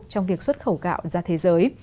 trong việc xuất khẩu gạo ra thế giới